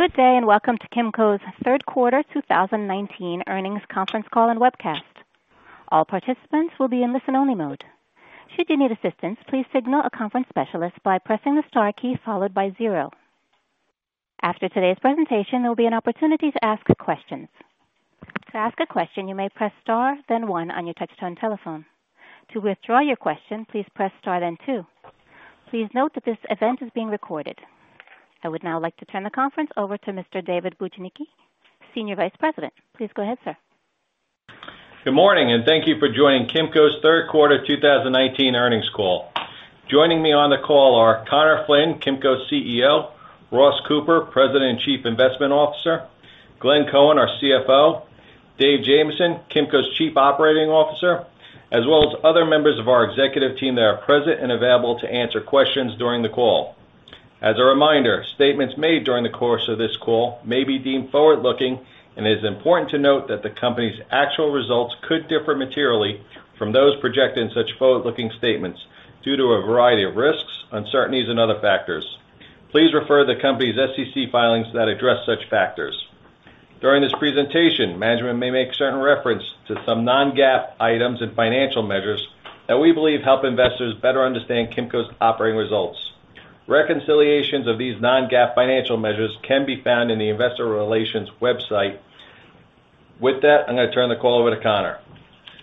Good day. Welcome to Kimco Realty's third quarter 2019 earnings conference call and webcast. All participants will be in listen only mode. Should you need assistance, please signal a conference specialist by pressing the star key followed by zero. After today's presentation, there'll be an opportunity to ask questions. To ask a question, you may press star then one on your touch-tone telephone. To withdraw your question, please press star then two. Please note that this event is being recorded. I would now like to turn the conference over to Mr. David Bujnicki, Senior Vice President. Please go ahead, sir. Good morning, and thank you for joining Kimco's third quarter 2019 earnings call. Joining me on the call are Conor Flynn, Kimco's CEO, Ross Cooper, President and Chief Investment Officer, Glenn Cohen, our CFO, David Jamieson, Kimco's Chief Operating Officer, as well as other members of our executive team that are present and available to answer questions during the call. As a reminder, statements made during the course of this call may be deemed forward-looking, and it is important to note that the company's actual results could differ materially from those projected in such forward-looking statements due to a variety of risks, uncertainties, and other factors. Please refer to the company's SEC filings that address such factors. During this presentation, management may make certain reference to some non-GAAP items and financial measures that we believe help investors better understand Kimco's operating results. Reconciliations of these non-GAAP financial measures can be found on the investor relations website. With that, I'm going to turn the call over to Conor.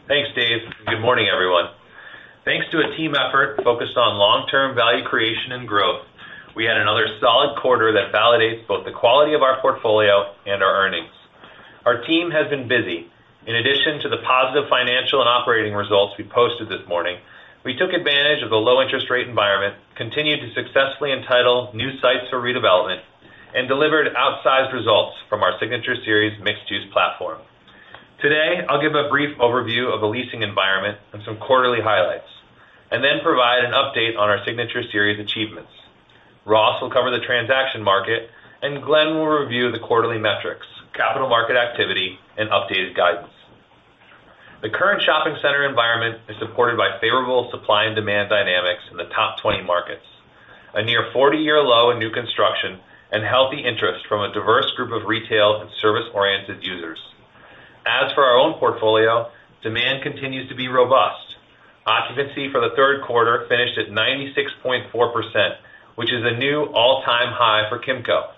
Thanks, Dave. Good morning, everyone. Thanks to a team effort focused on long-term value creation and growth, we had another solid quarter that validates both the quality of our portfolio and our earnings. Our team has been busy. In addition to the positive financial and operating results we posted this morning, we took advantage of the low interest rate environment, continued to successfully entitle new sites for redevelopment, and delivered outsized results from our Signature Series mixed-use platform. Today, I'll give a brief overview of the leasing environment and some quarterly highlights, and then provide an update on our Signature Series achievements. Ross will cover the transaction market, and Glenn will review the quarterly metrics, capital market activity, and updated guidance. The current shopping center environment is supported by favorable supply and demand dynamics in the top 20 markets. A near 40-year low in new construction and healthy interest from a diverse group of retail and service-oriented users. As for our own portfolio, demand continues to be robust. Occupancy for the third quarter finished at 96.4%, which is a new all-time high for Kimco.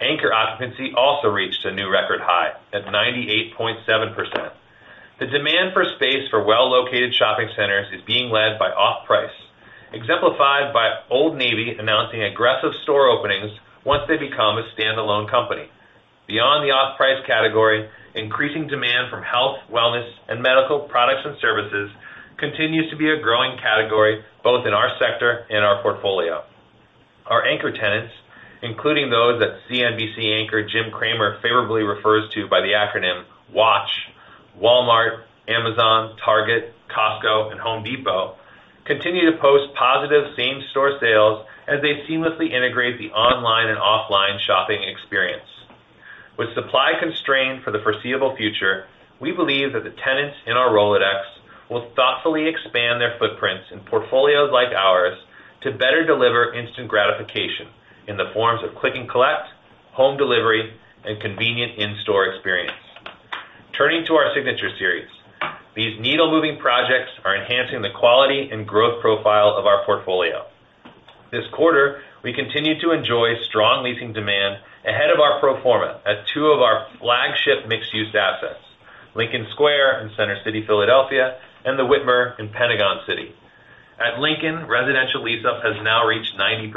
Anchor occupancy also reached a new record high at 98.7%. The demand for space for well-located shopping centers is being led by off-price, exemplified by Old Navy announcing aggressive store openings once they become a standalone company. Beyond the off-price category, increasing demand from health, wellness, and medical products and services continues to be a growing category both in our sector and our portfolio. Our anchor tenants, including those that CNBC anchor Jim Cramer favorably refers to by the acronym WATCH, Walmart, Amazon, Target, Costco, and Home Depot, continue to post positive same-store sales as they seamlessly integrate the online and offline shopping experience. With supply constrained for the foreseeable future, we believe that the tenants in our Rolodex will thoughtfully expand their footprints in portfolios like ours to better deliver instant gratification in the forms of click and collect, home delivery, and convenient in-store experience. Turning to our Signature Series. These needle-moving projects are enhancing the quality and growth profile of our portfolio. This quarter, we continued to enjoy strong leasing demand ahead of our pro forma at two of our flagship mixed-use assets, Lincoln Square in Center City, Philadelphia, and The Witmer in Pentagon City. At Lincoln, residential lease up has now reached 90%,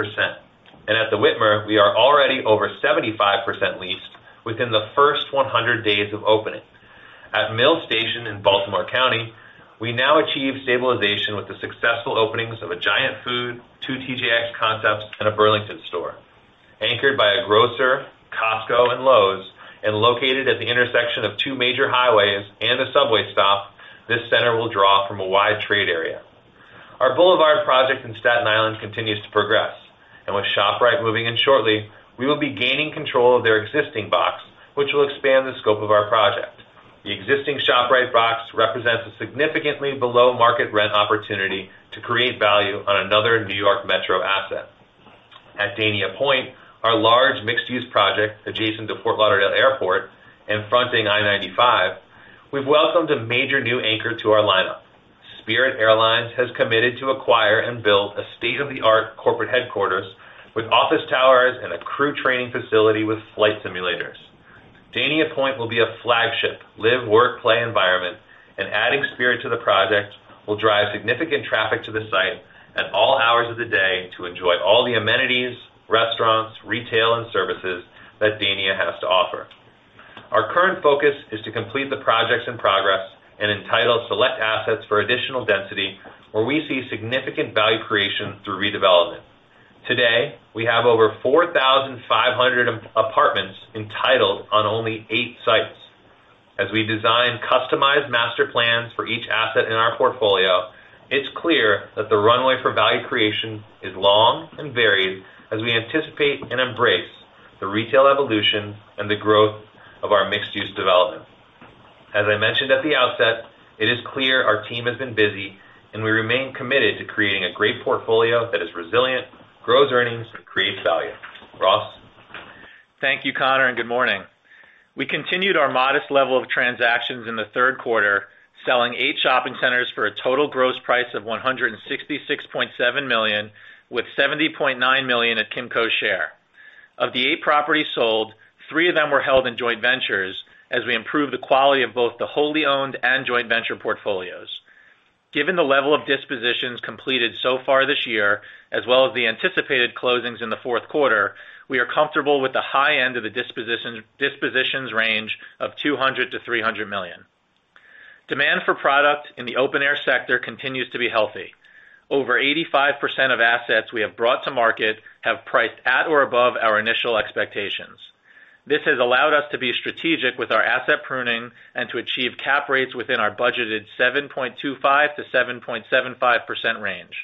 and at The Witmer, we are already over 75% leased within the first 100 days of opening. At Mill Station in Baltimore County, we now achieve stabilization with the successful openings of a Giant Food, two TJX concepts, and a Burlington store. Anchored by a grocer, Costco, and Lowe's, and located at the intersection of two major highways and a subway stop, this center will draw from a wide trade area. Our Boulevard project in Staten Island continues to progress, and with ShopRite moving in shortly, we will be gaining control of their existing box, which will expand the scope of our project. The existing ShopRite box represents a significantly below-market rent opportunity to create value on another New York Metro asset. At Dania Pointe, our large mixed-use project adjacent to Fort Lauderdale Airport and fronting I-95, we've welcomed a major new anchor to our lineup. Spirit Airlines has committed to acquire and build a state-of-the-art corporate headquarters with office towers and a crew training facility with flight simulators. Dania Pointe will be a flagship live-work-play environment, and adding Spirit to the project will drive significant traffic to the site at all hours of the day to enjoy all the amenities, restaurants, retail, and services that Dania has to offer. Our current focus is to complete the projects in progress and entitle select assets for additional density where we see significant value creation through redevelopment. Today, we have over 4,500 apartments entitled on only eight sites. As we design customized master plans for each asset in our portfolio, it's clear that the runway for value creation is long and varied as we anticipate and embrace the retail evolution and the growth of our mixed-use development. As I mentioned at the outset, it is clear our team has been busy, and we remain committed to creating a great portfolio that is resilient, grows earnings, and creates value. Ross? Thank you, Conor. Good morning. We continued our modest level of transactions in the third quarter, selling eight shopping centers for a total gross price of $166.7 million, with $70.9 million at Kimco share. Of the eight properties sold, three of them were held in joint ventures as we improve the quality of both the wholly owned and joint venture portfolios. Given the level of dispositions completed so far this year, as well as the anticipated closings in the fourth quarter, we are comfortable with the high end of the dispositions range of $200 million-$300 million. Demand for product in the open-air sector continues to be healthy. Over 85% of assets we have brought to market have priced at or above our initial expectations. This has allowed us to be strategic with our asset pruning and to achieve cap rates within our budgeted 7.25%-7.75% range.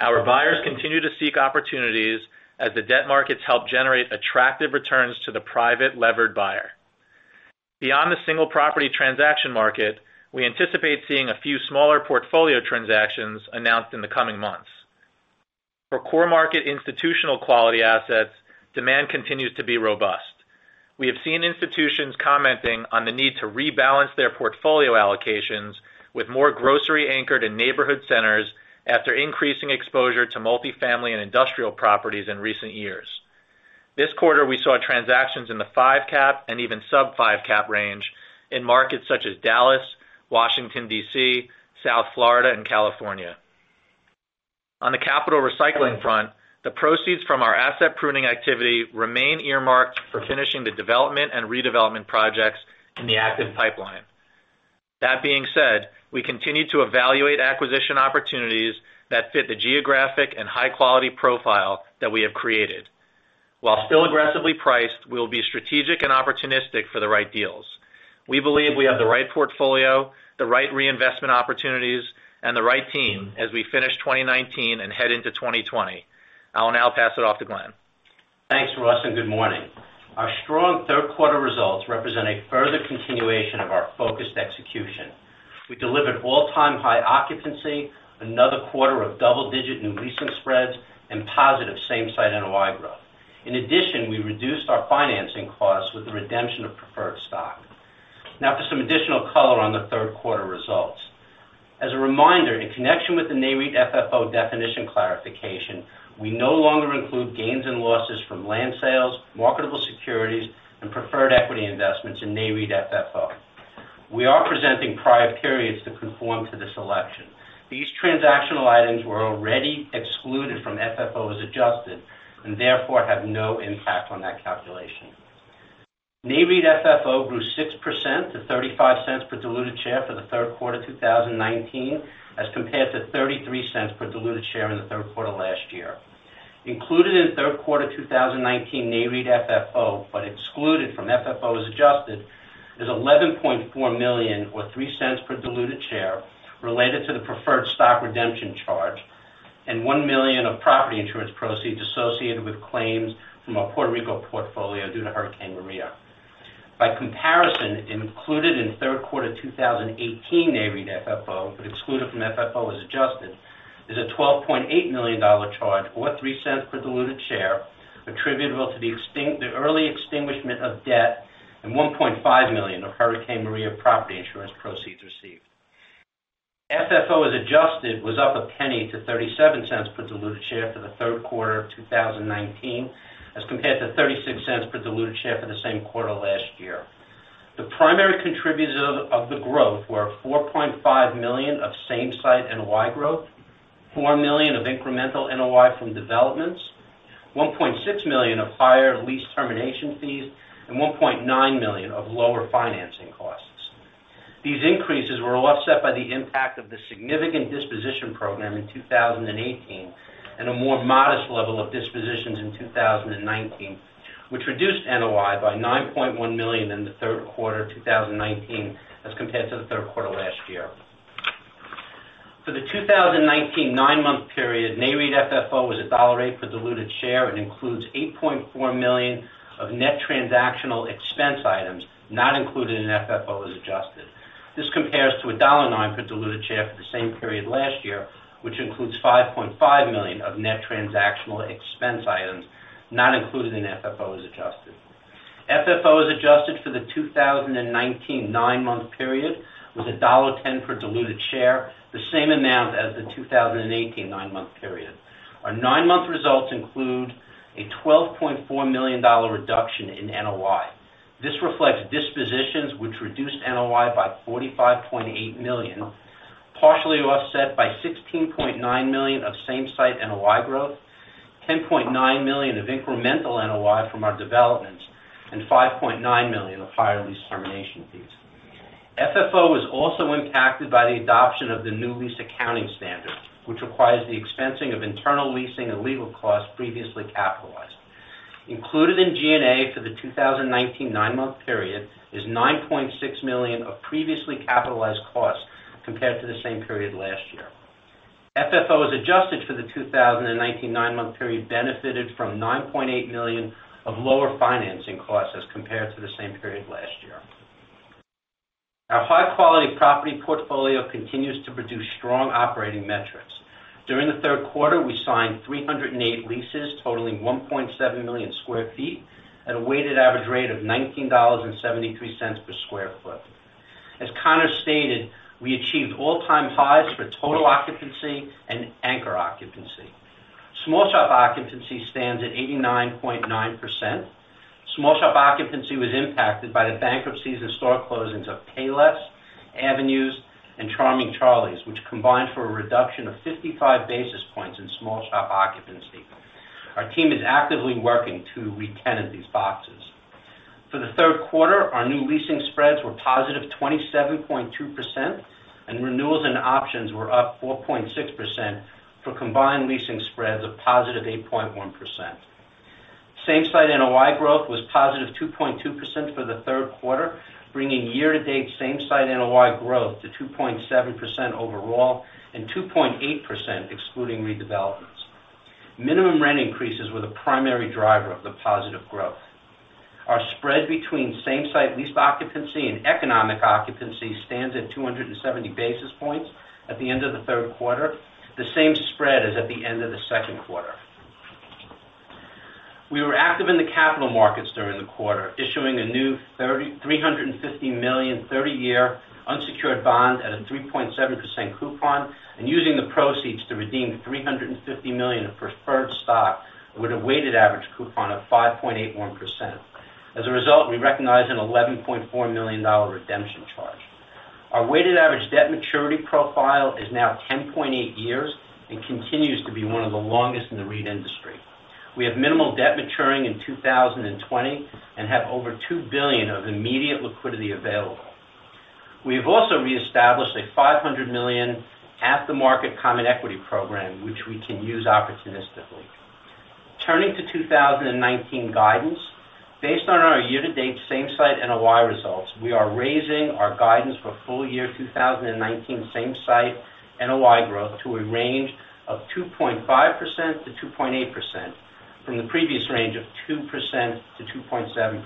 Our buyers continue to seek opportunities as the debt markets help generate attractive returns to the private levered buyer. Beyond the single property transaction market, we anticipate seeing a few smaller portfolio transactions announced in the coming months. For core market institutional quality assets, demand continues to be robust. We have seen institutions commenting on the need to rebalance their portfolio allocations with more grocery anchored and neighborhood centers after increasing exposure to multifamily and industrial properties in recent years. This quarter, we saw transactions in the five cap and even sub five cap range in markets such as Dallas, Washington, D.C., South Florida, and California. On the capital recycling front, the proceeds from our asset pruning activity remain earmarked for finishing the development and redevelopment projects in the active pipeline. That being said, we continue to evaluate acquisition opportunities that fit the geographic and high-quality profile that we have created. While still aggressively priced, we will be strategic and opportunistic for the right deals. We believe we have the right portfolio, the right reinvestment opportunities, and the right team as we finish 2019 and head into 2020. I will now pass it off to Glenn. Thanks, Ross. Good morning. Our strong third quarter results represent a further continuation of our focused execution. We delivered all-time high occupancy, another quarter of double-digit new leasing spreads, and positive Same-Site NOI growth. In addition, we reduced our financing costs with the redemption of preferred stock. For some additional color on the third quarter results. As a reminder, in connection with the NAREIT FFO definition clarification, we no longer include gains and losses from land sales, marketable securities, and preferred equity investments in NAREIT FFO. We are presenting prior periods that conform to the selection. These transactional items were already excluded from FFO as adjusted, and therefore have no impact on that calculation. NAREIT FFO grew 6% to $0.35 per diluted share for the third quarter 2019, as compared to $0.33 per diluted share in the third quarter last year. Included in third quarter 2019 NAREIT FFO, but excluded from FFO as adjusted, is $11.4 million or $0.03 per diluted share related to the preferred stock redemption charge and $1 million of property insurance proceeds associated with claims from our Puerto Rico portfolio due to Hurricane Maria. By comparison, included in third quarter 2018 NAREIT FFO, but excluded from FFO as adjusted, is a $12.8 million charge, or $0.03 per diluted share, attributable to the early extinguishment of debt and $1.5 million of Hurricane Maria property insurance proceeds received. FFO as adjusted was up $0.01 to $0.37 per diluted share for the third quarter of 2019, as compared to $0.36 per diluted share for the same quarter last year. The primary contributors of the growth were $4.5 million of Same-Site NOI growth, $4 million of incremental NOI from developments, $1.6 million of higher lease termination fees, and $1.9 million of lower financing costs. These increases were offset by the impact of the significant disposition program in 2018 and a more modest level of dispositions in 2019, which reduced NOI by $9.1 million in the third quarter 2019 as compared to the third quarter last year. For the 2019 nine-month period, NAREIT FFO was $1.08 per diluted share and includes $8.4 million of net transactional expense items not included in FFO as adjusted. This compares to $1.09 per diluted share for the same period last year, which includes $5.5 million of net transactional expense items not included in FFO as adjusted. FFO as adjusted for the 2019 nine-month period was $1.10 per diluted share, the same amount as the 2018 nine-month period. Our nine-month results include a $12.4 million reduction in NOI. This reflects dispositions which reduced NOI by $45.8 million, partially offset by $16.9 million of Same-Site NOI growth, $10.9 million of incremental NOI from our developments, and $5.9 million of higher lease termination fees. FFO was also impacted by the adoption of the new lease accounting standard, which requires the expensing of internal leasing and legal costs previously capitalized. Included in G&A for the 2019 nine-month period is $9.6 million of previously capitalized costs compared to the same period last year. FFO as adjusted for the 2019 nine-month period benefited from $9.8 million of lower financing costs as compared to the same period last year. Our high-quality property portfolio continues to produce strong operating metrics. During the third quarter, we signed 308 leases totaling 1.7 million sq ft at a weighted average rate of $19.73 per sq ft. As Conor stated, we achieved all-time highs for total occupancy and anchor occupancy. Small shop occupancy stands at 89.9%. Small shop occupancy was impacted by the bankruptcies and store closings of Payless, Avenue, and Charming Charlie, which combined for a reduction of 55 basis points in small shop occupancy. Our team is actively working to re-tenant these boxes. For the third quarter, our new leasing spreads were positive 27.2%, and renewals and options were up 4.6% for combined leasing spreads of positive 8.1%. Same-Site NOI growth was positive 2.2% for the third quarter, bringing year-to-date Same-Site NOI growth to 2.7% overall and 2.8% excluding redevelopments. Minimum rent increases were the primary driver of the positive growth. Our spread between same site lease occupancy and economic occupancy stands at 270 basis points at the end of the third quarter. The same spread as at the end of the second quarter. We were active in the capital markets during the quarter, issuing a new $350 million 30-year unsecured bond at a 3.7% coupon and using the proceeds to redeem $350 million of preferred stock with a weighted average coupon of 5.81%. We recognized an $11.4 million redemption charge. Our weighted average debt maturity profile is now 10.8 years and continues to be one of the longest in the REIT industry. We have minimal debt maturing in 2020 and have over $2 billion of immediate liquidity available. We have also reestablished a $500 million at-the-market common equity program, which we can use opportunistically. Turning to 2019 guidance. Based on our year-to-date Same-Site NOI results, we are raising our guidance for full year 2019 Same-Site NOI growth to a range of 2.5%-2.8% from the previous range of 2%-2.7%.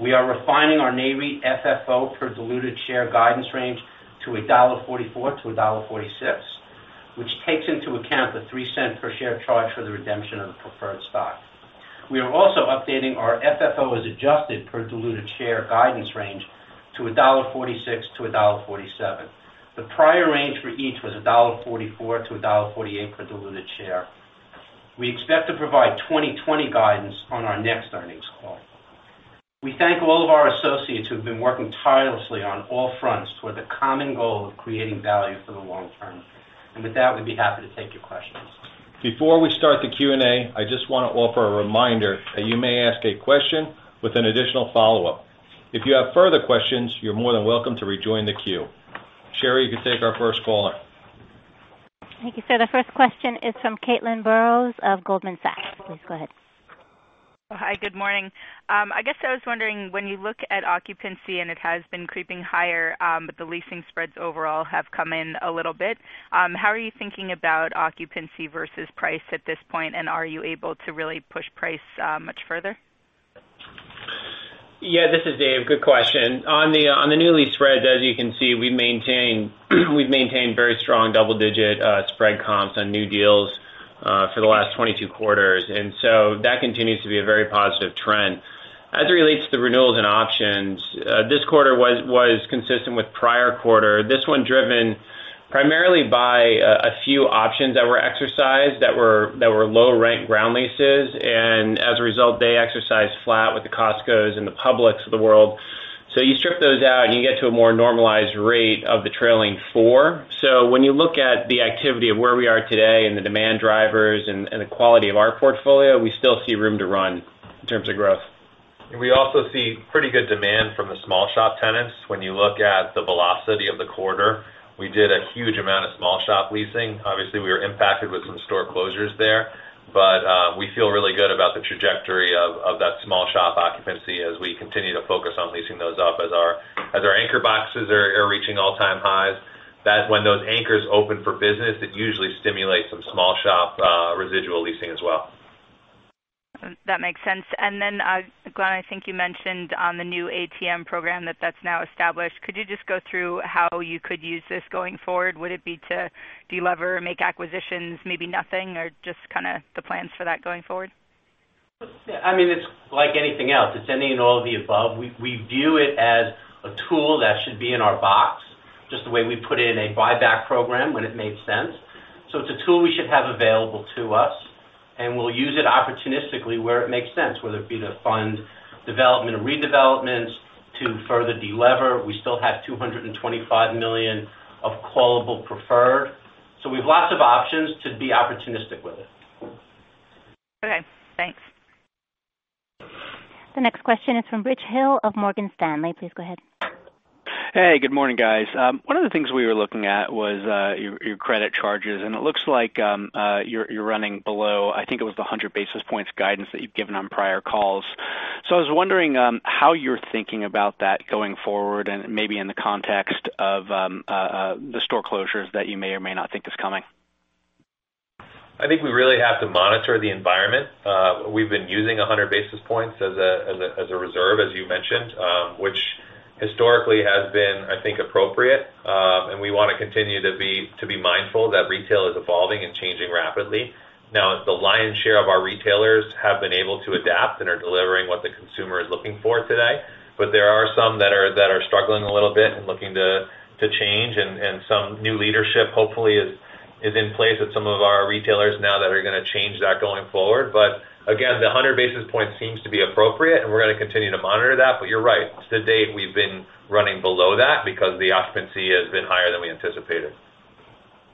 We are refining our NAREIT FFO per diluted share guidance range to $1.44-$1.46, which takes into account the $0.03 per share charge for the redemption of the preferred stock. We are also updating our FFO as adjusted per diluted share guidance range to $1.46-$1.47. The prior range for each was $1.44-$1.48 per diluted share. We expect to provide 2020 guidance on our next earnings call. We thank all of our associates who've been working tirelessly on all fronts toward the common goal of creating value for the long term. With that, we'd be happy to take your questions. Before we start the Q&A, I just want to offer a reminder that you may ask a question with an additional follow-up. If you have further questions, you're more than welcome to rejoin the queue. Sherry, you can take our first caller. Thank you, sir. The first question is from Caitlin Burrows of Goldman Sachs. Please go ahead. Hi, good morning. I guess I was wondering, when you look at occupancy, and it has been creeping higher, but the leasing spreads overall have come in a little bit. How are you thinking about occupancy versus price at this point, and are you able to really push price much further? Yeah, this is Dave. Good question. On the new lease spreads, as you can see, we've maintained very strong double-digit spread comps on new deals for the last 22 quarters. That continues to be a very positive trend. As it relates to renewals and options, this quarter was consistent with prior quarter. This one driven primarily by a few options that were exercised that were low-rent ground leases, and as a result, they exercised flat with the Costco and the Publix of the world. You strip those out, and you get to a more normalized rate of the trailing four. When you look at the activity of where we are today and the demand drivers and the quality of our portfolio, we still see room to run in terms of growth. We also see pretty good demand from the small shop tenants. When you look at the velocity of the quarter, we did a huge amount of small shop leasing. Obviously, we were impacted with some store closures there, but we feel really good about the trajectory of that small shop occupancy as we continue to focus on leasing those up as our anchor boxes are reaching all-time highs. When those anchors open for business, it usually stimulates some small shop residual leasing as well. That makes sense. Glenn, I think you mentioned on the new ATM program that that's now established. Could you just go through how you could use this going forward? Would it be to delever, make acquisitions, maybe nothing or just kind of the plans for that going forward? It's like anything else. It's any and all of the above. We view it as a tool that should be in our box, just the way we put in a buyback program when it made sense. It's a tool we should have available to us, and we'll use it opportunistically where it makes sense, whether it be to fund development or redevelopments to further delever. We still have $225 million of callable preferred. We have lots of options to be opportunistic with it. Okay, thanks. The next question is from Rich Hill of Morgan Stanley. Please go ahead. Hey, good morning, guys. One of the things we were looking at was your credit charges, it looks like you're running below, I think it was the 100 basis points guidance that you've given on prior calls. I was wondering how you're thinking about that going forward and maybe in the context of the store closures that you may or may not think is coming. I think we really have to monitor the environment. We've been using 100 basis points as a reserve, as you mentioned, which historically has been, I think, appropriate. We want to continue to be mindful that retail is evolving and changing rapidly. The lion's share of our retailers have been able to adapt and are delivering what the consumer is looking for today. There are some that are struggling a little bit and looking to change, and some new leadership, hopefully, is in place at some of our retailers now that are going to change that going forward. Again, the 100 basis points seems to be appropriate, and we're going to continue to monitor that. You're right. To date, we've been running below that because the occupancy has been higher than we anticipated.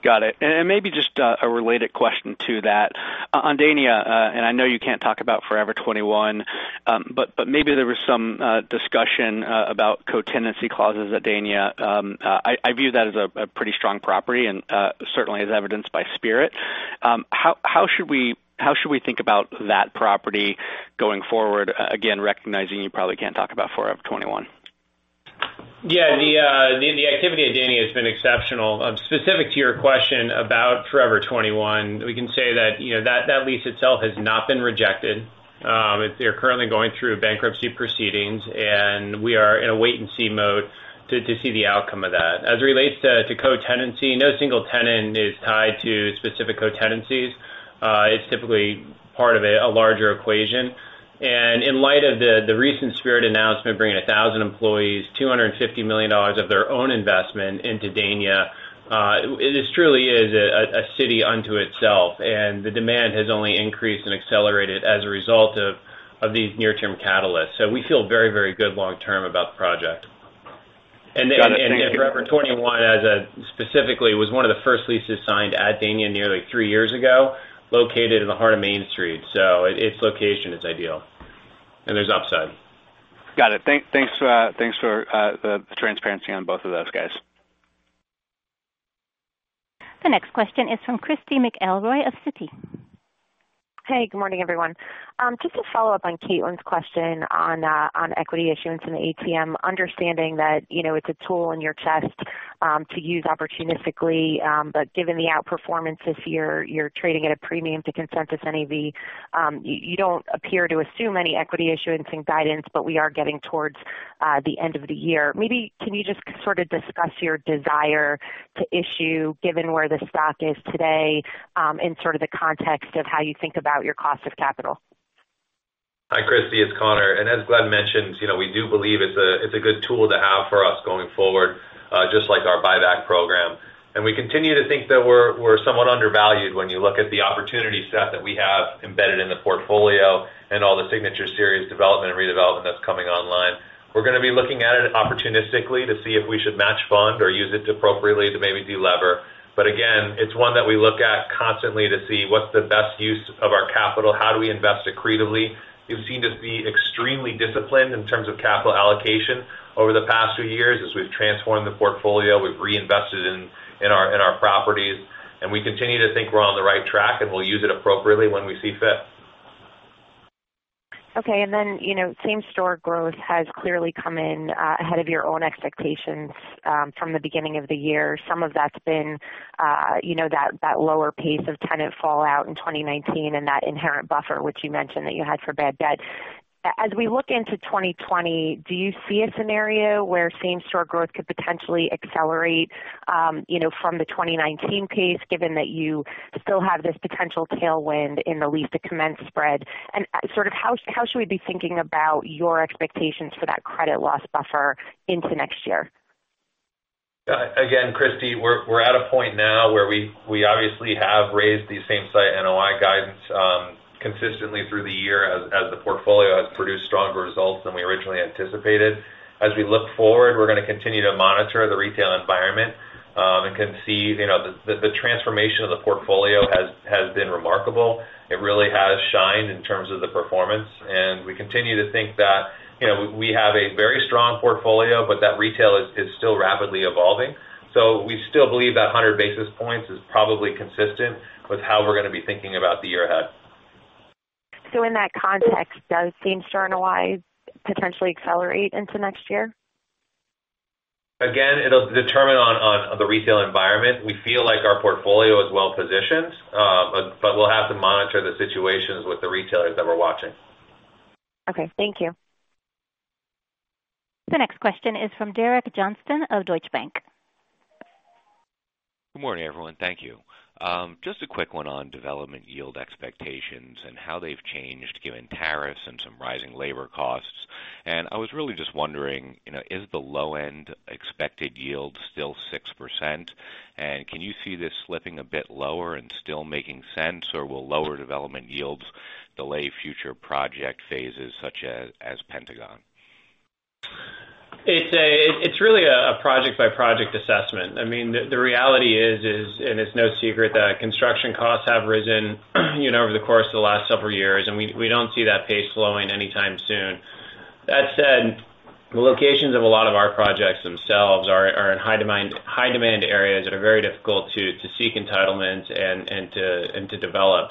Got it. Maybe just a related question to that. On Dania, and I know you can't talk about Forever 21, but maybe there was some discussion about co-tenancy clauses at Dania. I view that as a pretty strong property and certainly as evidenced by Spirit. How should we think about that property going forward, again, recognizing you probably can't talk about Forever 21? Yeah. The activity at Dania has been exceptional. Specific to your question about Forever 21, we can say that that lease itself has not been rejected. They're currently going through bankruptcy proceedings, and we are in a wait-and-see mode to see the outcome of that. As it relates to co-tenancy, no single tenant is tied to specific co-tenancies. It's typically part of a larger equation. In light of the recent Spirit announcement, bringing 1,000 employees, $250 million of their own investment into Dania, it truly is a city unto itself, and the demand has only increased and accelerated as a result of these near-term catalysts. We feel very, very good long term about the project. Got it. Thank you. Forever 21 specifically was one of the first leases signed at Dania nearly three years ago, located in the heart of Main Street. Its location is ideal, and there's upside. Got it. Thanks for the transparency on both of those, guys. The next question is from Christy McElroy of Citi. Hey, good morning, everyone. Just to follow up on Caitlin's question on equity issuance and ATM, understanding that it's a tool in your chest to use opportunistically. Given the outperformance this year, you're trading at a premium to consensus NAV. You don't appear to assume any equity issuance and guidance, but we are getting towards the end of the year. Maybe can you just sort of discuss your desire to issue, given where the stock is today, in sort of the context of how you think about your cost of capital? Hi, Christy, it's Conor. As Glenn mentioned, we do believe it's a good tool to have for us going forward, just like our buyback program. We continue to think that we're somewhat undervalued when you look at the opportunity set that we have embedded in the portfolio and all the Signature Series development and redevelopment that's coming online. We're going to be looking at it opportunistically to see if we should match fund or use it appropriately to maybe delever. Again, it's one that we look at constantly to see what's the best use of our capital, how do we invest accretively. You've seen us be extremely disciplined in terms of capital allocation over the past few years. As we've transformed the portfolio, we've reinvested in our properties, and we continue to think we're on the right track, and we'll use it appropriately when we see fit. Okay. Same-store growth has clearly come in ahead of your own expectations from the beginning of the year. Some of that's been that lower pace of tenant fallout in 2019 and that inherent buffer, which you mentioned that you had for bad debt. As we look into 2020, do you see a scenario where same-store growth could potentially accelerate from the 2019 pace, given that you still have this potential tailwind in the lease-to-commence spread? Sort of how should we be thinking about your expectations for that credit loss buffer into next year? Again, Christy, we're at a point now where we obviously have raised the Same-Site NOI guidance consistently through the year as the portfolio has produced stronger results than we originally anticipated. We look forward, we're going to continue to monitor the retail environment and can see the transformation of the portfolio has been remarkable. It really has shined in terms of the performance, we continue to think that we have a very strong portfolio, but that retail is still rapidly evolving. We still believe that 100 basis points is probably consistent with how we're going to be thinking about the year ahead. In that context, does same-store NOI potentially accelerate into next year? It'll determine on the retail environment. We feel like our portfolio is well-positioned. We'll have to monitor the situations with the retailers that we're watching. Okay. Thank you. The next question is from Derek Johnston of Deutsche Bank. Good morning, everyone. Thank you. Just a quick one on development yield expectations and how they've changed given tariffs and some rising labor costs. I was really just wondering, is the low-end expected yield still 6%? Can you see this slipping a bit lower and still making sense, or will lower development yields delay future project phases such as Pentagon? It's really a project-by-project assessment. I mean, the reality is, and it's no secret, that construction costs have risen over the course of the last several years, and we don't see that pace slowing anytime soon. That said, the locations of a lot of our projects themselves are in high-demand areas that are very difficult to seek entitlement and to develop.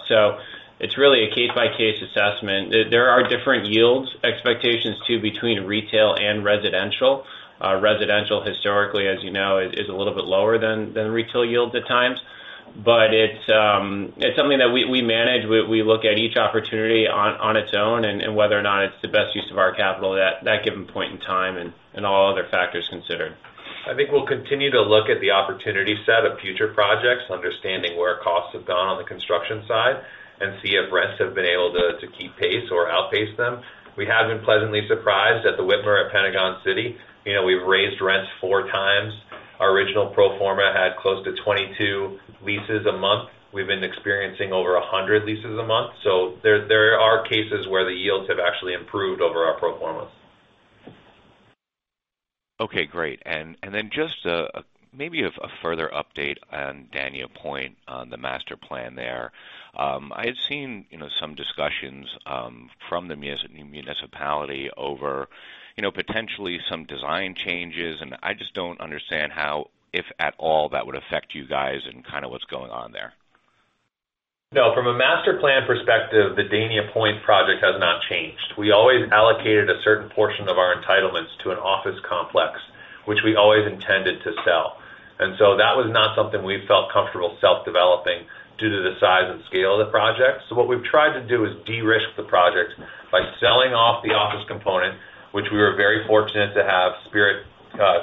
It's really a case-by-case assessment. There are different yields expectations too, between retail and residential. Residential historically, as you know, is a little bit lower than retail yields at times. It's something that we manage. We look at each opportunity on its own and whether or not it's the best use of our capital at that given point in time and all other factors considered. I think we'll continue to look at the opportunity set of future projects, understanding where costs have gone on the construction side, and see if rents have been able to keep pace or outpace them. We have been pleasantly surprised at The Witmer at Pentagon City. We've raised rents four times. Our original pro forma had close to 22 leases a month. We've been experiencing over 100 leases a month. There are cases where the yields have actually improved over our pro formas. Okay, great. Then just maybe a further update on Dania Pointe on the master plan there. I had seen some discussions from the municipality over potentially some design changes, and I just don't understand how, if at all, that would affect you guys and kind of what's going on there. No. From a master plan perspective, the Dania Pointe project has not changed. We always allocated a certain portion of our entitlements to an office complex, which we always intended to sell. That was not something we felt comfortable self-developing due to the size and scale of the project. What we've tried to do is de-risk the project by selling off the office component, which we were very fortunate to have Spirit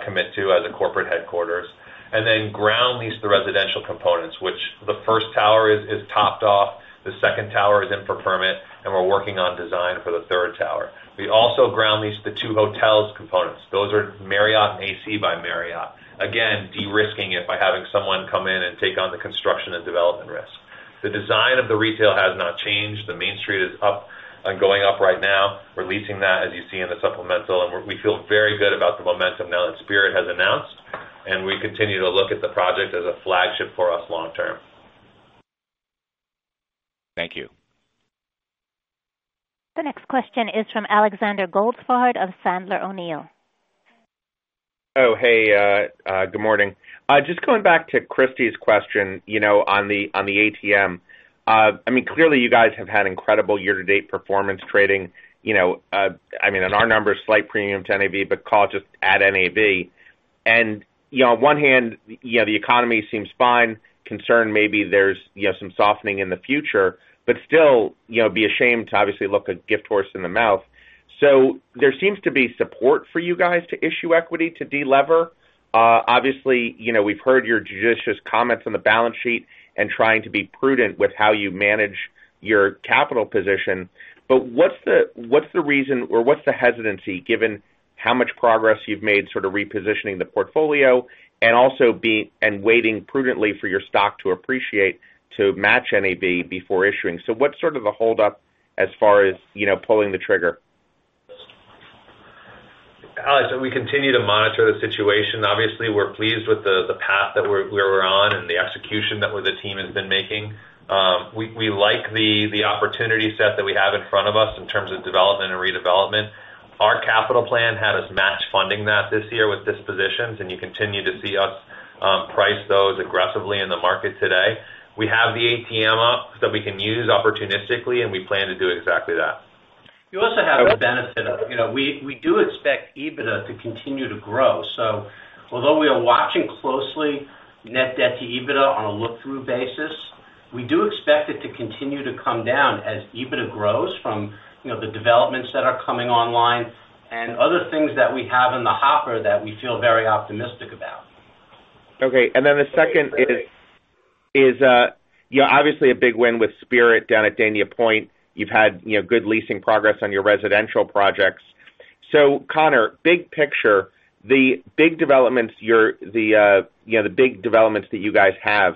commit to as a corporate headquarters, and then ground lease the residential components, which the first tower is topped off, the second tower is in for permit, and we're working on design for the third tower. We also ground leased the two hotels components. Those are Marriott and AC by Marriott. Again, de-risking it by having someone come in and take on the construction and development risk. The design of the retail has not changed. The main street is going up right now. We're leasing that, as you see in the supplemental, and we feel very good about the momentum now that Spirit has announced, and we continue to look at the project as a flagship for us long term. Thank you. The next question is from Alexander Goldfarb of Sandler O'Neill. Oh, hey, good morning. Just going back to Christy's question on the ATM. Clearly you guys have had incredible year-to-date performance trading, on our numbers, slight premium to NAV, but call it just at NAV. On one hand, the economy seems fine. Concern maybe there's some softening in the future, but still, it'd be a shame to obviously look a gift horse in the mouth. There seems to be support for you guys to issue equity to de-lever. Obviously, we've heard your judicious comments on the balance sheet and trying to be prudent with how you manage your capital position. What's the reason, or what's the hesitancy given how much progress you've made sort of repositioning the portfolio and also waiting prudently for your stock to appreciate to match NAV before issuing? What's sort of the hold-up as far as pulling the trigger? Alex, we continue to monitor the situation. Obviously, we're pleased with the path that we're on and the execution that the team has been making. We like the opportunity set that we have in front of us in terms of development and redevelopment. Our capital plan had us match funding that this year with dispositions, and you continue to see us price those aggressively in the market today. We have the ATM up that we can use opportunistically, and we plan to do exactly that. We do expect EBITDA to continue to grow. Although we are watching closely Net Debt to EBITDA on a look-through basis, we do expect it to continue to come down as EBITDA grows from the developments that are coming online and other things that we have in the hopper that we feel very optimistic about. The second is, obviously a big win with Spirit down at Dania Pointe. You've had good leasing progress on your residential projects. Conor, big picture, the big developments that you guys have,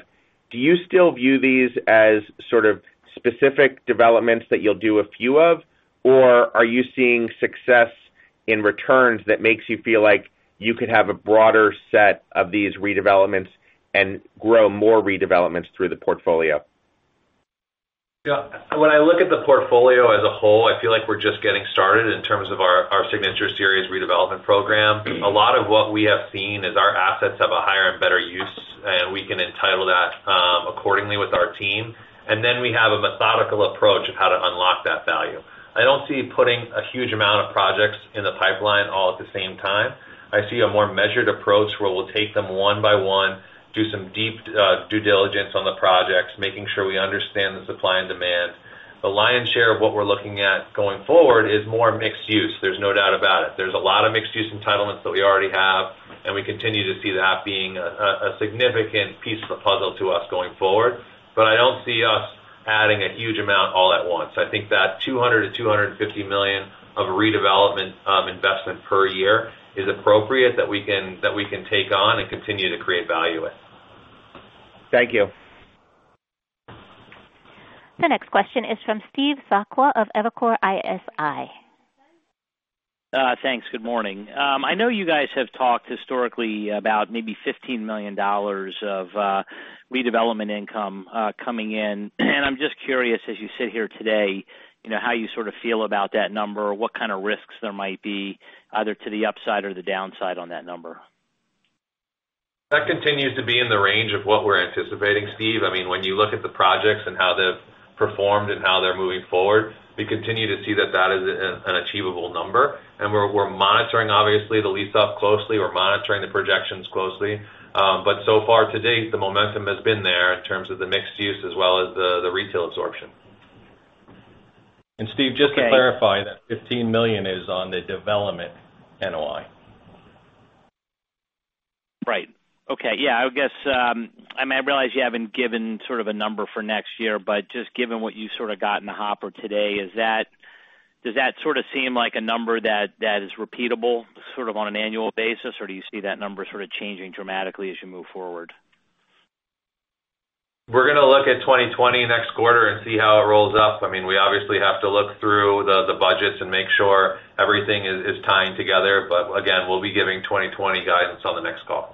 do you still view these as sort of specific developments that you'll do a few of? Or are you seeing success in returns that makes you feel like you could have a broader set of these redevelopments and grow more redevelopments through the portfolio? When I look at the portfolio as a whole, I feel like we're just getting started in terms of our Signature Series redevelopment program. A lot of what we have seen is our assets have a higher and better use, and we can entitle that accordingly with our team. We have a methodical approach of how to unlock that value. I don't see putting a huge amount of projects in the pipeline all at the same time. I see a more measured approach where we'll take them one by one, do some deep due diligence on the projects, making sure we understand the supply and demand. The lion's share of what we're looking at going forward is more mixed use. There's no doubt about it. There's a lot of mixed-use entitlements that we already have, and we continue to see that being a significant piece of the puzzle to us going forward. I don't see us adding a huge amount all at once. I think that $200 million-$250 million of redevelopment investment per year is appropriate that we can take on and continue to create value with. Thank you. The next question is from Steve Sakwa of Evercore ISI. Thanks. Good morning. I know you guys have talked historically about maybe $15 million of redevelopment income coming in, I'm just curious as you sit here today, how you sort of feel about that number or what kind of risks there might be either to the upside or the downside on that number? That continues to be in the range of what we're anticipating, Steve. When you look at the projects and how they've performed and how they're moving forward, we continue to see that that is an achievable number, and we're monitoring, obviously, the lease-up closely. We're monitoring the projections closely. So far to date, the momentum has been there in terms of the mixed use as well as the retail absorption. Steve, just to clarify, that $15 million is on the development NOI. Right. Okay. Yeah, I realize you haven't given sort of a number for next year, but just given what you sort of got in the hopper today, does that sort of seem like a number that is repeatable sort of on an annual basis? Do you see that number sort of changing dramatically as you move forward? We're going to look at 2020 next quarter and see how it rolls up. We obviously have to look through the budgets and make sure everything is tying together. Again, we'll be giving 2020 guidance on the next call.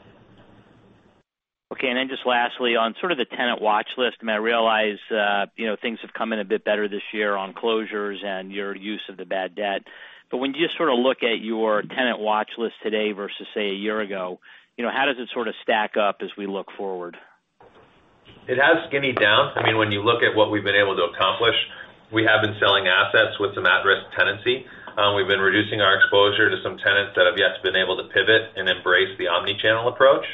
Just lastly, on sort of the tenant watch list, and I realize things have come in a bit better this year on closures and your use of the bad debt, but when you sort of look at your tenant watch list today versus, say, a year ago, how does it sort of stack up as we look forward? It has skinnied down. When you look at what we've been able to accomplish, we have been selling assets with some at-risk tenancy. We've been reducing our exposure to some tenants that have yet to been able to pivot and embrace the omni-channel approach.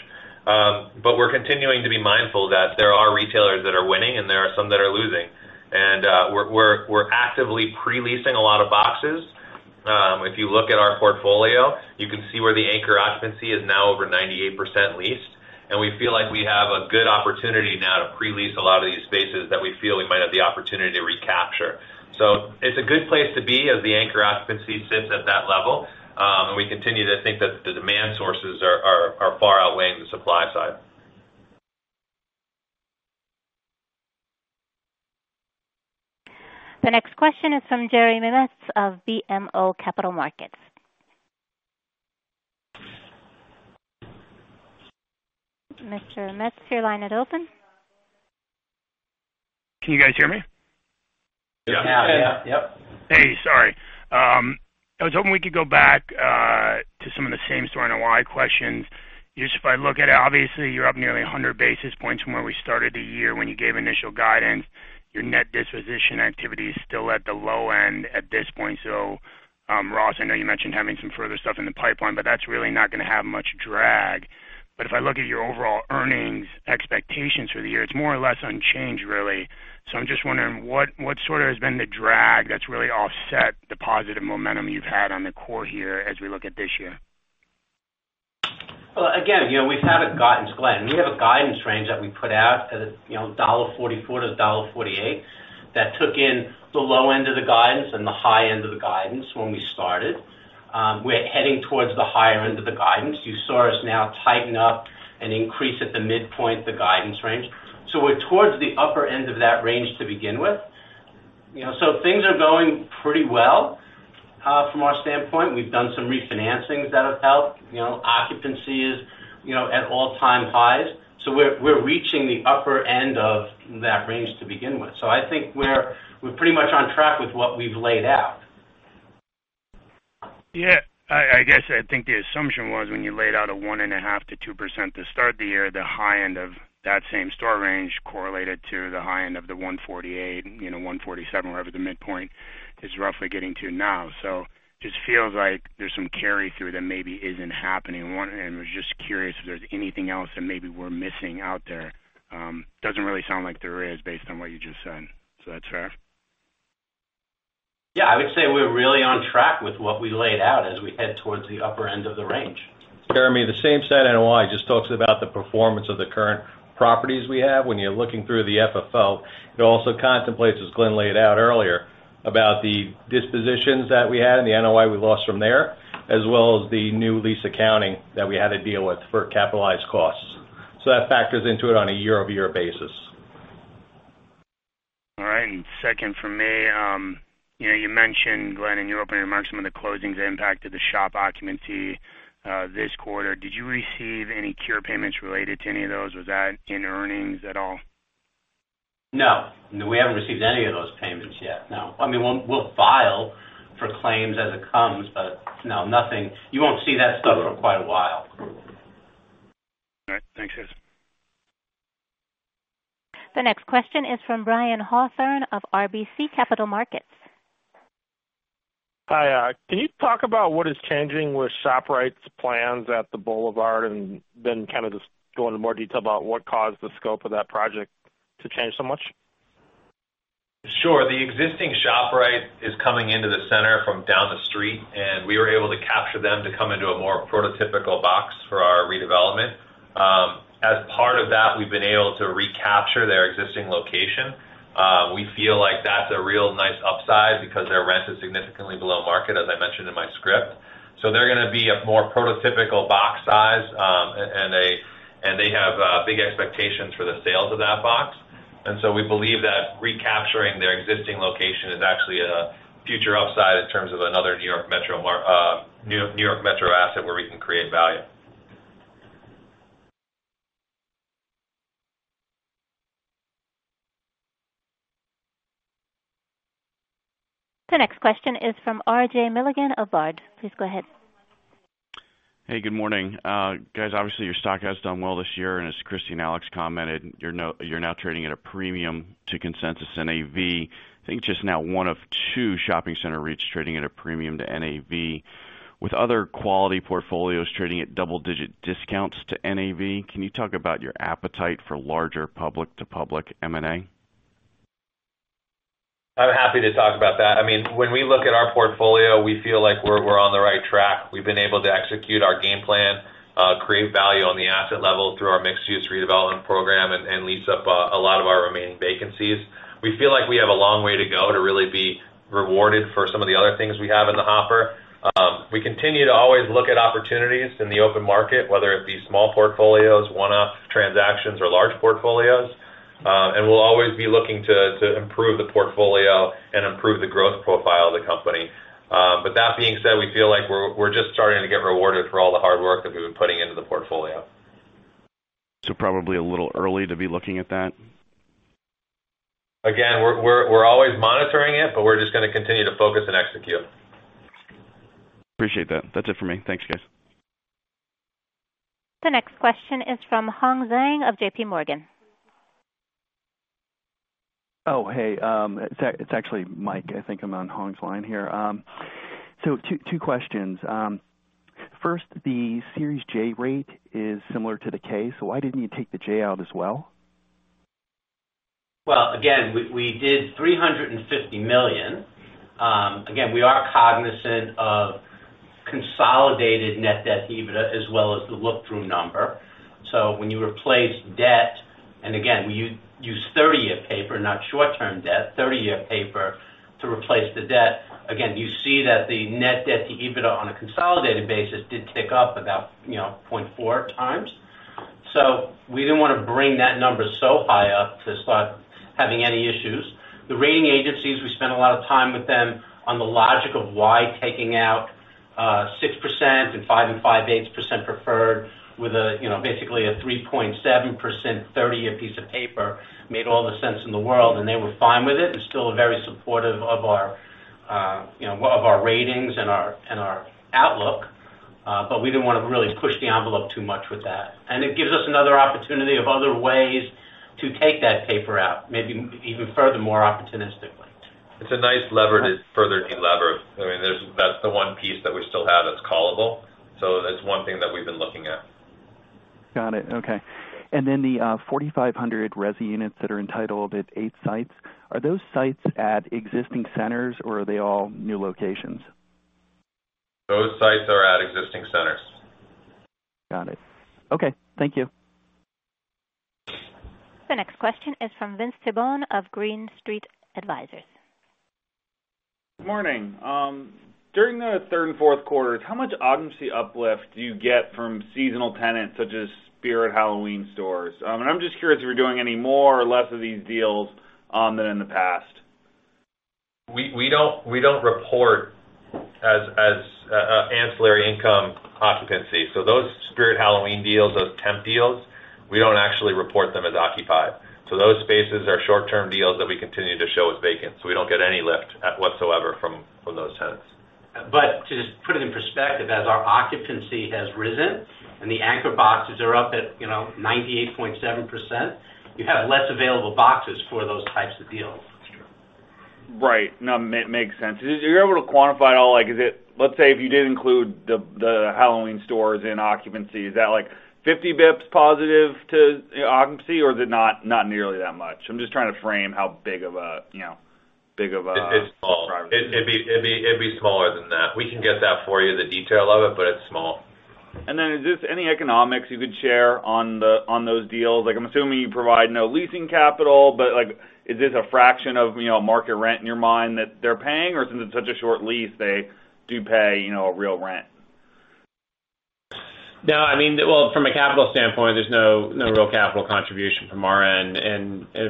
We're continuing to be mindful that there are retailers that are winning and there are some that are losing. We're actively pre-leasing a lot of boxes. If you look at our portfolio, you can see where the anchor occupancy is now over 98% leased, and we feel like we have a good opportunity now to pre-lease a lot of these spaces that we feel we might have the opportunity to recapture. It's a good place to be as the anchor occupancy sits at that level. We continue to think that the demand sources are far outweighing the supply side. The next question is from Jeremy Metz of BMO Capital Markets. Mr. Metz, your line is open. Can you guys hear me? Yeah. Yes. Yeah. Hey, sorry. I was hoping we could go back to some of the same store NOI questions. If I look at it, obviously, you're up nearly 100 basis points from where we started the year when you gave initial guidance. Your net disposition activity is still at the low end at this point. Ross, I know you mentioned having some further stuff in the pipeline, but that's really not going to have much drag. If I look at your overall earnings expectations for the year, it's more or less unchanged, really. I'm just wondering what sort of has been the drag that's really offset the positive momentum you've had on the core here as we look at this year? Well, again, we've had a guidance, Glenn. We have a guidance range that we put out at $1.44-$1.48 that took in the low end of the guidance and the high end of the guidance when we started. We're heading towards the higher end of the guidance. You saw us now tighten up and increase at the midpoint the guidance range. We're towards the upper end of that range to begin with. Things are going pretty well from our standpoint. We've done some refinancings that have helped. Occupancy is at all-time highs. We're reaching the upper end of that range to begin with. I think we're pretty much on track with what we've laid out. I guess I think the assumption was when you laid out a 1.5%-2% to start the year, the high end of that Same-Site range correlated to the high end of the 1.48, 1.47, wherever the midpoint is roughly getting to now. Just feels like there's some carry through that maybe isn't happening. One, was just curious if there's anything else that maybe we're missing out there. Doesn't really sound like there is based on what you just said. Is that fair? I would say we're really on track with what we laid out as we head towards the upper end of the range. Jeremy, the same set NOI just talks about the performance of the current properties we have. When you're looking through the FFO, it also contemplates, as Glenn laid out earlier, about the dispositions that we had and the NOI we lost from there, as well as the new lease accounting that we had to deal with for capitalized costs. That factors into it on a year-over-year basis. All right. Second from me, you mentioned, Glenn, in your opening remarks, some of the closings impacted the shop occupancy this quarter. Did you receive any cure payments related to any of those? Was that in earnings at all? No. We haven't received any of those payments yet. No. We'll file for claims as it comes, but no, nothing. You won't see that stuff for quite a while. All right, thanks guys. The next question is from Brian Hawthorne of RBC Capital Markets. Hi. Can you talk about what is changing with ShopRite's plans at The Boulevard, and then kind of just go into more detail about what caused the scope of that project to change so much? Sure. The existing ShopRite is coming into the center from down the street, we were able to capture them to come into a more prototypical box for our redevelopment. As part of that, we've been able to recapture their existing location. We feel like that's a real nice upside because their rent is significantly below market, as I mentioned in my script. They're going to be a more prototypical box size, and they have big expectations for the sales of that box. We believe that recapturing their existing location is actually a future upside in terms of another New York metro asset where we can create value. The next question is from R.J. Milligan of Baird. Please go ahead. Hey, good morning. Guys, obviously your stock has done well this year, and as Christy and Alex commented, you're now trading at a premium to consensus NAV. I think just now one of two shopping center REITs trading at a premium to NAV. With other quality portfolios trading at double-digit discounts to NAV, can you talk about your appetite for larger public-to-public M&A? I'm happy to talk about that. When we look at our portfolio, we feel like we're on the right track. We've been able to execute our game plan, create value on the asset level through our mixed-use redevelopment program and lease up a lot of our remaining vacancies. We feel like we have a long way to go to really be rewarded for some of the other things we have in the hopper. We continue to always look at opportunities in the open market, whether it be small portfolios, one-off transactions, or large portfolios. We'll always be looking to improve the portfolio and improve the growth profile of the company. That being said, we feel like we're just starting to get rewarded for all the hard work that we've been putting into the portfolio. Probably a little early to be looking at that? We're always monitoring it, but we're just going to continue to focus and execute. Appreciate that. That's it for me. Thanks, guys. The next question is from Hong Zheng of J.P. Morgan. Oh, hey. It's actually Mike. I think I'm on Hong's line here. Two questions. First, the series J rate is similar to the K, why didn't you take the J out as well? Again, we did $350 million. Again, we are cognizant of consolidated Net Debt to EBITDA as well as the look-through number. When you replace debt, and again, we use 30-year paper, not short-term debt, 30-year paper to replace the debt. Again, you see that the Net Debt to EBITDA on a consolidated basis did tick up about 0.4 times. We didn't want to bring that number so high up to start having any issues. The rating agencies, we spent a lot of time with them on the logic of why taking out 6% and 5.625% preferred with basically a 3.7% 30-year piece of paper made all the sense in the world, and they were fine with it, and still very supportive of our ratings and our outlook. We didn't want to really push the envelope too much with that. It gives us another opportunity of other ways to take that paper out, maybe even furthermore opportunistically. It's a nice lever to further delever. That's the one piece that we still have that's callable. That's one thing that we've been looking at. Got it. Okay. The 4,500 resi units that are entitled at eight sites, are those sites at existing centers, or are they all new locations? Those sites are at existing centers. Got it. Okay. Thank you. The next question is from Vince Tibone of Green Street Advisors. Morning. During the third and fourth quarters, how much occupancy uplift do you get from seasonal tenants such as Spirit Halloween stores? I'm just curious if you're doing any more or less of these deals than in the past. We don't report as ancillary income occupancy. Those Spirit Halloween deals, those temp deals, we don't actually report them as occupied. Those spaces are short-term deals that we continue to show as vacant. We don't get any lift whatsoever from those tenants. To just put it in perspective, as our occupancy has risen and the anchor boxes are up at 98.7%, you have less available boxes for those types of deals. That's true. Right. No, makes sense. Are you able to quantify it all? Let's say if you did include the Halloween stores in occupancy, is that 50 basis points positive to occupancy, or is it not nearly that much? It's small. It'd be smaller than that. We can get that for you, the detail of it, but it's small. Is this any economics you could share on those deals? I'm assuming you provide no leasing capital, but is this a fraction of market rent in your mind that they're paying, or since it's such a short lease, they do pay a real rent? No. Well, from a capital standpoint, there's no real capital contribution from our end.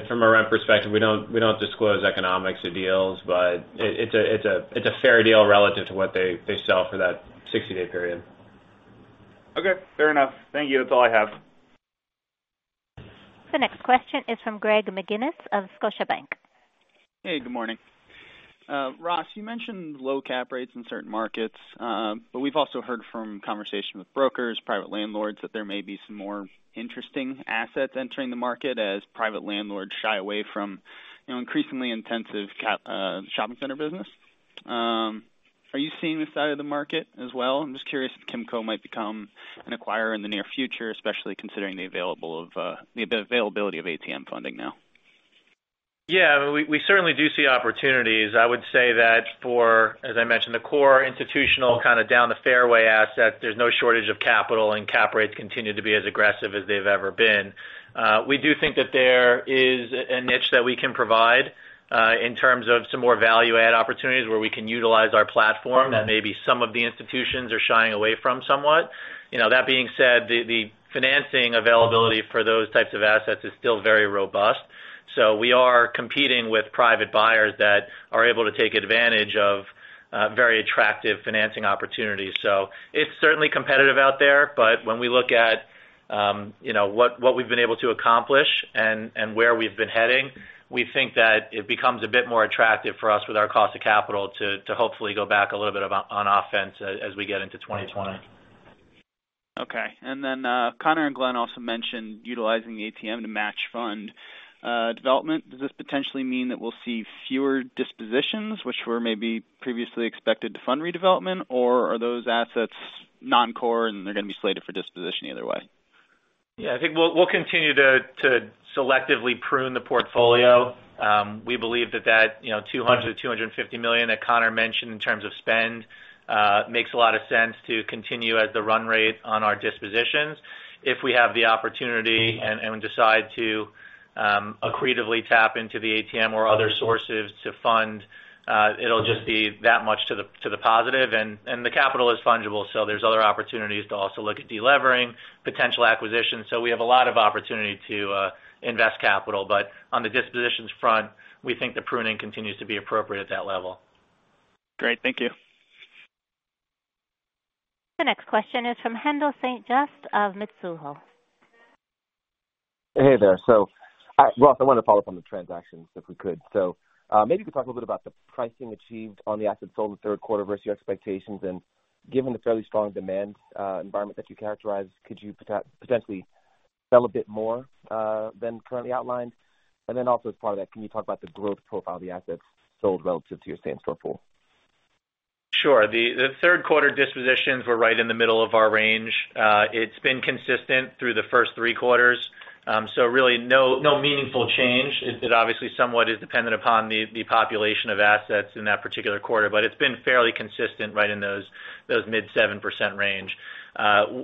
From a rent perspective, we don't disclose economics of deals, but it's a fair deal relative to what they sell for that 60-day period. Okay. Fair enough. Thank you. That's all I have. The next question is from Greg McGinnis of Scotiabank. Hey, good morning. Ross, you mentioned low cap rates in certain markets. We've also heard from conversation with brokers, private landlords, that there may be some more interesting assets entering the market as private landlords shy away from increasingly intensive shopping center business. Are you seeing this side of the market as well? I'm just curious if Kimco might become an acquirer in the near future, especially considering the availability of ATM funding now. Yeah. We certainly do see opportunities. I would say that as I mentioned, the core institutional kind of down the fairway asset, there's no shortage of capital, and cap rates continue to be as aggressive as they've ever been. We do think that there is a niche that we can provide in terms of some more value add opportunities where we can utilize our platform that maybe some of the institutions are shying away from somewhat. That being said, the financing availability for those types of assets is still very robust. We are competing with private buyers that are able to take advantage of very attractive financing opportunities. It's certainly competitive out there. When we look at what we've been able to accomplish and where we've been heading, we think that it becomes a bit more attractive for us with our cost of capital to hopefully go back a little bit on offense as we get into 2020. Okay. Conor and Glenn also mentioned utilizing the ATM to match fund development. Does this potentially mean that we'll see fewer dispositions which were maybe previously expected to fund redevelopment, or are those assets non-core and they're going to be slated for disposition either way? Yeah, I think we'll continue to selectively prune the portfolio. We believe that $200 million-$250 million that Conor mentioned in terms of spend makes a lot of sense to continue as the run rate on our dispositions. If we have the opportunity and decide to accretively tap into the ATM or other sources to fund, it'll just be that much to the positive. The capital is fungible, there's other opportunities to also look at de-levering potential acquisitions. We have a lot of opportunity to invest capital. On the dispositions front, we think the pruning continues to be appropriate at that level. Great. Thank you. The next question is from Haendel St. Juste of Mizuho. Hey there. Ross, I wanted to follow up on the transactions, if we could. Maybe you could talk a little bit about the pricing achieved on the assets sold in the third quarter versus your expectations. Given the fairly strong demand environment that you characterize, could you potentially sell a bit more than currently outlined? Also as part of that, can you talk about the growth profile of the assets sold relative to your same store pool? Sure. The third quarter dispositions were right in the middle of our range. It's been consistent through the first three quarters. Really no meaningful change. It obviously somewhat is dependent upon the population of assets in that particular quarter, it's been fairly consistent right in those mid 7% range.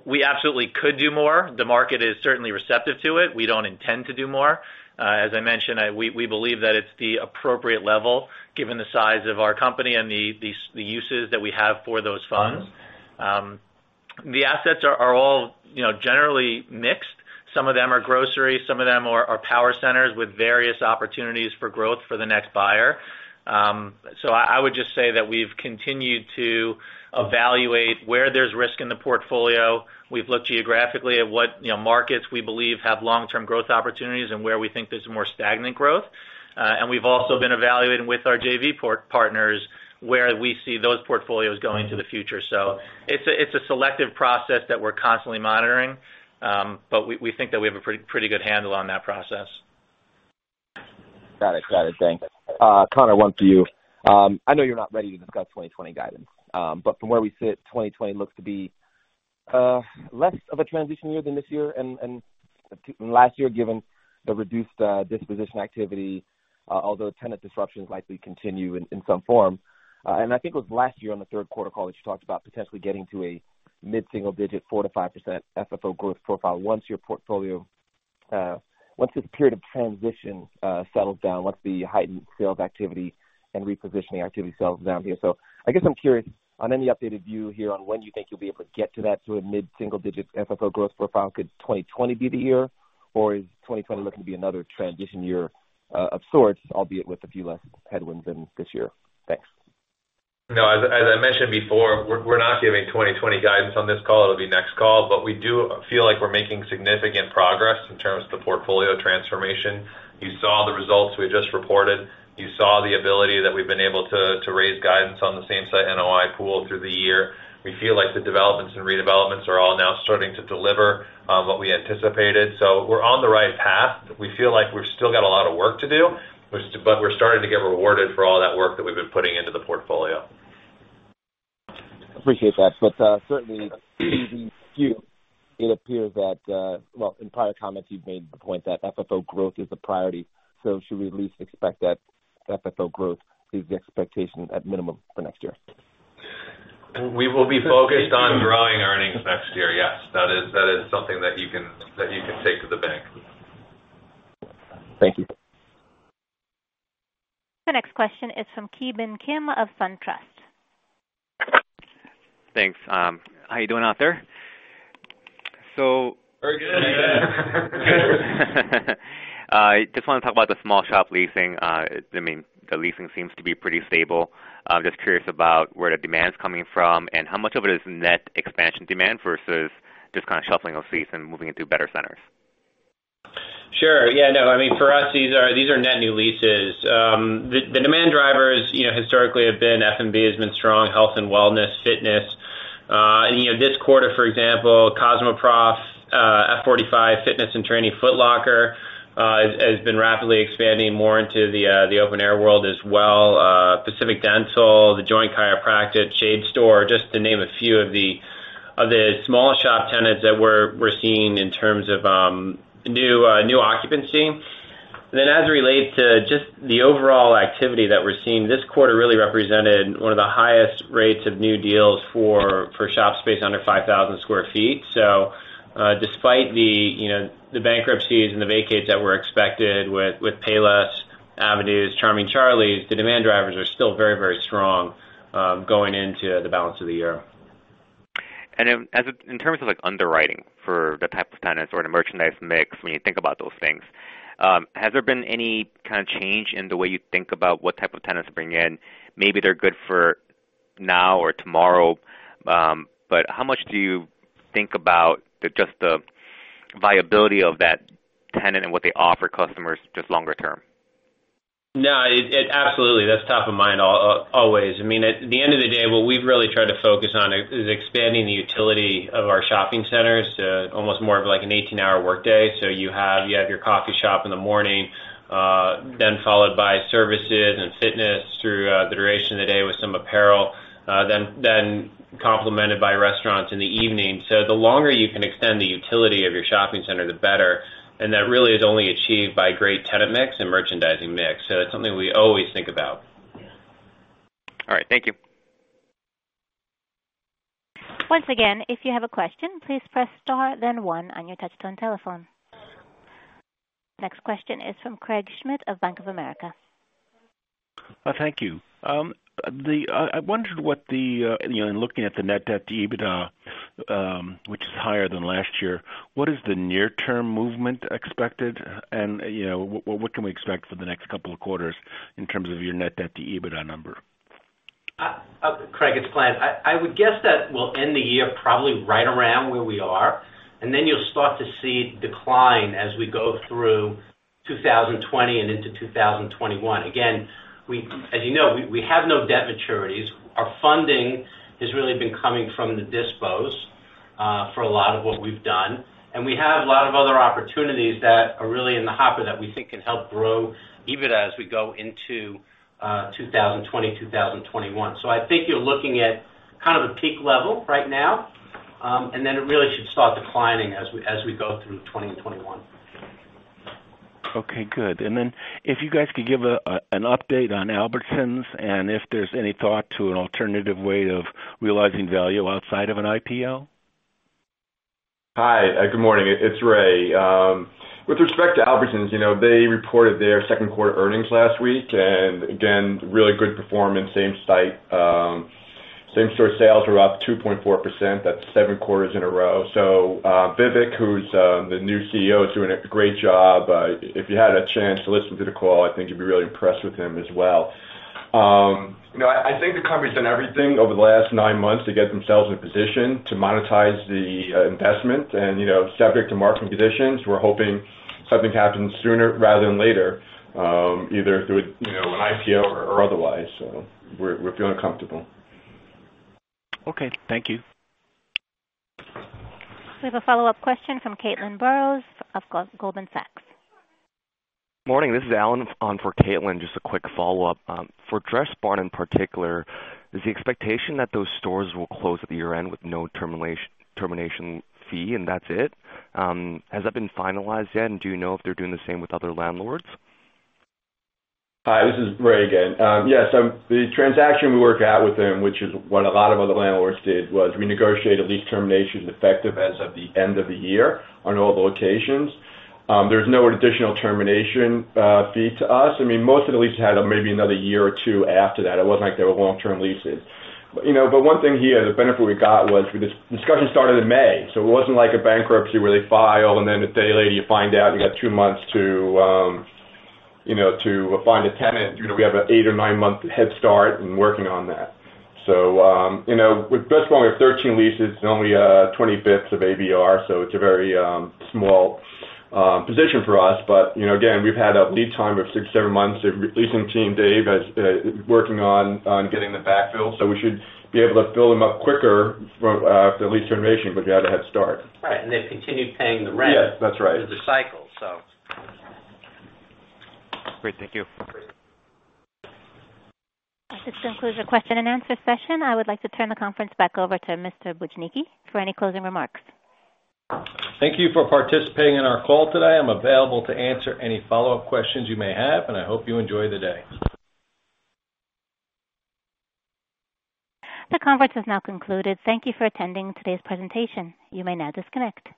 We absolutely could do more. The market is certainly receptive to it. We don't intend to do more. As I mentioned, we believe that it's the appropriate level given the size of our company and the uses that we have for those funds. The assets are all generally mixed. Some of them are grocery, some of them are power centers with various opportunities for growth for the next buyer. I would just say that we've continued to evaluate where there's risk in the portfolio. We've looked geographically at what markets we believe have long-term growth opportunities and where we think there's more stagnant growth. We've also been evaluating with our JV partners where we see those portfolios going into the future. It's a selective process that we're constantly monitoring, but we think that we have a pretty good handle on that process. Got it. Thanks. Conor, one for you. I know you're not ready to discuss 2020 guidance. From where we sit, 2020 looks to be less of a transition year than this year and last year, given the reduced disposition activity, although tenant disruptions likely continue in some form. I think it was last year on the third quarter call that you talked about potentially getting to a mid-single digit, 4%-5% FFO growth profile once this period of transition settles down, once the heightened sales activity and repositioning activity settles down here. I guess I'm curious on any updated view here on when you think you'll be able to get to that, to a mid-single digit FFO growth profile. Could 2020 be the year, or is 2020 looking to be another transition year of sorts, albeit with a few less headwinds than this year? Thanks. As I mentioned before, we're not giving 2020 guidance on this call. It'll be next call. We do feel like we're making significant progress in terms of the portfolio transformation. You saw the results we just reported. You saw the ability that we've been able to raise guidance on the Same-Site NOI pool through the year. We feel like the developments and redevelopments are all now starting to deliver what we anticipated. We're on the right path. We feel like we've still got a lot of work to do, but we're starting to get rewarded for all that work that we've been putting into the portfolio. Appreciate that. Certainly in the queue, well, in prior comments you've made the point that FFO growth is a priority. Should we at least expect that FFO growth is the expectation at minimum for next year? We will be focused on growing earnings next year, yes. That is something that you can take to the bank. Thank you. The next question is from Ki Bin Kim of SunTrust. Thanks. How you doing out there? We're good. Just want to talk about the small shop leasing. The leasing seems to be pretty stable. I'm just curious about where the demand is coming from and how much of it is net expansion demand versus just kind of shuffling of leases and moving into better centers. Sure. Yeah, no, for us, these are net new leases. The demand drivers historically have been F&B has been strong, health and wellness, fitness. This quarter, for example, CosmoProf, F45 Training, Foot Locker, has been rapidly expanding more into the open-air world as well. Pacific Dental, Shade Store, just to name a few of the small shop tenants that we're seeing in terms of new occupancy. As it relates to just the overall activity that we're seeing, this quarter really represented one of the highest rates of new deals for shop space under 5,000 sq ft. Despite the bankruptcies and the vacates that were expected with Payless, Avenue, Charming Charlie, the demand drivers are still very, very strong going into the balance of the year. In terms of underwriting for the type of tenants or the merchandise mix, when you think about those things, has there been any kind of change in the way you think about what type of tenants to bring in? Maybe they're good now or tomorrow. How much do you think about just the viability of that tenant and what they offer customers just longer term? No, absolutely. That's top of mind always. At the end of the day, what we've really tried to focus on is expanding the utility of our shopping centers to almost more of like an 18-hour workday. You have your coffee shop in the morning, then followed by services and fitness through the duration of the day with some apparel, then complemented by restaurants in the evening. The longer you can extend the utility of your shopping center, the better, and that really is only achieved by great tenant mix and merchandising mix. That's something we always think about. All right. Thank you. Once again, if you have a question, please press star then one on your touch-tone telephone. Next question is from Craig Schmidt of Bank of America. Thank you. I wondered, in looking at the Net Debt to EBITDA, which is higher than last year, what is the near-term movement expected? What can we expect for the next couple of quarters in terms of your Net Debt to EBITDA number? Craig, it's Glenn. I would guess that we'll end the year probably right around where we are, and then you'll start to see decline as we go through 2020 and into 2021. As you know, we have no debt maturities. Our funding has really been coming from the dispos for a lot of what we've done, and we have a lot of other opportunities that are really in the hopper that we think can help grow EBITDA as we go into 2020, 2021. I think you're looking at kind of a peak level right now, and then it really should start declining as we go through 2020 and 2021. Okay, good. If you guys could give an update on Albertsons and if there's any thought to an alternative way of realizing value outside of an IPO? Hi, good morning. It's Ray. With respect to Albertsons, they reported their second-quarter earnings last week, and again, really good performance, same-store sales were up 2.4%. That's seven quarters in a row. Vivek, who's the new CEO, is doing a great job. If you had a chance to listen to the call, I think you'd be really impressed with him as well. I think the company's done everything over the last nine months to get themselves in position to monetize the investment. Subject to market conditions, we're hoping something happens sooner rather than later, either through an IPO or otherwise. We're feeling comfortable. Okay. Thank you. We have a follow-up question from Caitlin Burrows of Goldman Sachs. Morning, this is Alan on for Caitlin. Just a quick follow-up. For Dressbarn in particular, is the expectation that those stores will close at the year-end with no termination fee, and that's it? Has that been finalized yet, and do you know if they're doing the same with other landlords? The transaction we worked out with them, which is what a lot of other landlords did, was we negotiated lease terminations effective as of the end of the year on all locations. There is no additional termination fee to us. Most of the leases had maybe another year or two after that. It was not like they were long-term leases. One thing here, the benefit we got was this discussion started in May. It was not like a bankruptcy where they file and then a day later you find out you got two months to find a tenant. We have an eight or nine-month head start in working on that. With Dressbarn, we have 13 leases. It is only a 25th of ABR. It is a very small position for us. Again, we have had a lead time of six, seven months. Our leasing team, Dave, is working on getting the backfill. We should be able to fill them up quicker for the lease termination because we had a head start. Right, they've continued paying the rent. Yeah, that's right. through the cycle. Great. Thank you. This concludes the question and answer session. I would like to turn the conference back over to Mr. Bujnicki for any closing remarks. Thank you for participating in our call today. I'm available to answer any follow-up questions you may have. I hope you enjoy the day. The conference has now concluded. Thank you for attending today's presentation. You may now disconnect.